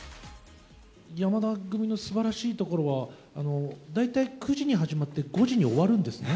山田組のすばらしいところは、大体９時に始まって、５時に終わるんですね。